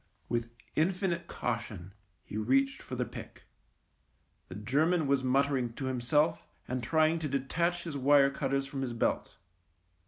With infinite caution he reached for the pick. The German was muttering to him self and trying to detach his wire cutters from his belt.